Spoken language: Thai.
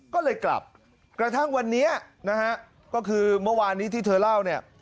ก็เลยกลับกระทั่งวันนี้ก็คือเมื่อวานที่เธอเล่า